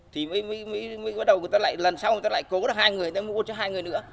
thì mới bắt đầu người ta lại lần sau người ta lại cố được hai người ta mua cho hai người nữa